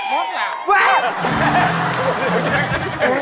หมวกแห่ง